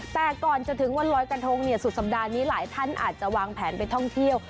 แต่ก่อนจะถึงวันลอยกระทงสุดสัปดาห์นี้หลายท่านอาจจะวางแผนไปท่องเที่ยว